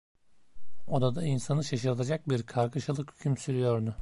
Odada insanı şaşırtacak bir kargaşalık hüküm sürüyordu.